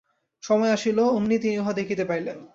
সময় আসিল, অমনি তিনি উহা দেখিতে পাইলেন।